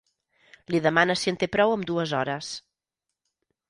Li demana si en té prou amb dues hores.